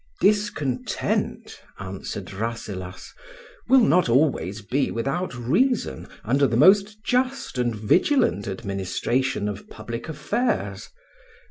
"Discontent," answered Rasselas, "will not always be without reason under the most just and vigilant administration of public affairs.